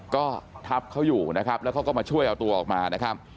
ก็ทับเขาอยู่นะครับแล้วเขาก็มาช่วยเอาตัวออกมานะครับ